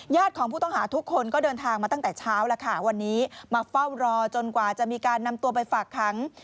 ของผู้ต้องหาทุกคนก็เดินทางมาตั้งแต่เช้าแล้วค่ะวันนี้มาเฝ้ารอจนกว่าจะมีการนำตัวไปฝากขัง